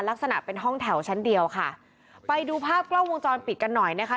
ลักษณะเป็นห้องแถวชั้นเดียวค่ะไปดูภาพกล้องวงจรปิดกันหน่อยนะคะ